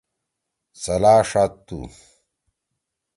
څلا ݜادتُو